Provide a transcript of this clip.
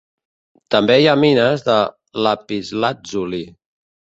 També hi ha mines de lapislàtzuli.